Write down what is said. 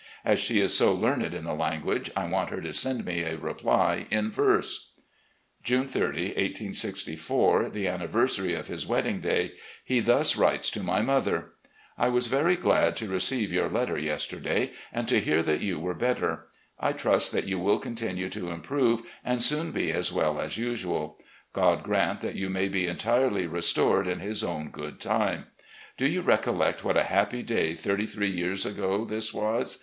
As she is so learned in the language, I want her to send me a reply in verse." June 30, 1864, the anniversary of his wedding day, he thus writes to my mother: "... I was very glad to receive yoiu* letter yester day, and to hear that you were better. I trust that you will continue to improve and soon be as well as usual. God grant that you may be entirely restored in His own good time. Do you recollect what a happy day thirty three years ago this was